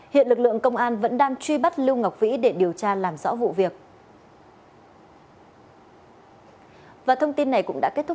hiện lực lượng công an vẫn đang truy bắt lưu ngọc vĩ để điều tra làm rõ vụ việc